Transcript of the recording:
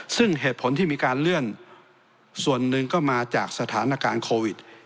ซึ่งเหตุผลที่มีการเลื่อนส่วนหนึ่งก็มาจากสถานการณ์โควิด